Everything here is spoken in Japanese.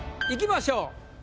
いきましょう。